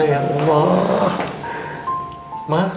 tuh dia layak wah